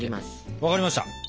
分かりました。